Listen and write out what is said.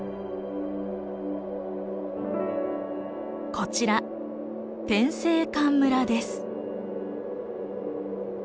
こちら天井関村です。